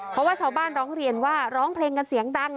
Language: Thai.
เพราะว่าชาวบ้านร้องเรียนว่าร้องเพลงกันเสียงดัง